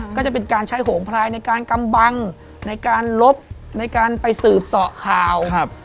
ก็จะเป็นการใช้โหงพลายในการกำบังในการลบในการไปสืบเสาะข่าว